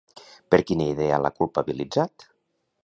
Per quina idea l'ha culpabilitzat?